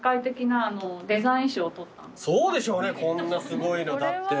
そうでしょうねこんなすごいのだって。